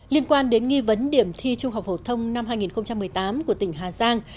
liên quan đến nghi vấn điểm thi trung học phổ thông năm hai nghìn một mươi tám của tỉnh hà giang